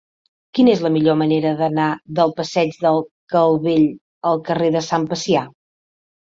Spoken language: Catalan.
Quina és la millor manera d'anar del passeig de Calvell al carrer de Sant Pacià?